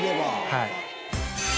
はい。